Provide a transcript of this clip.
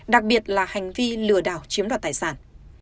đặc biệt là hành vi lừa đảo chiếm đoạt tài sản